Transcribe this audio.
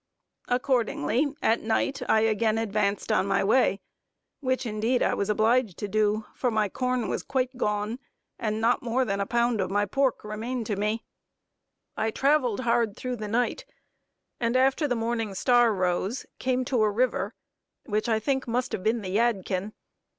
Accordingly at night I again advanced on my way, which indeed I was obliged to do, for my corn was quite gone, and not more than a pound of my pork remained to me. I traveled hard through the night, and after the morning star rose; came to a river; which I think must have been the Yadkin.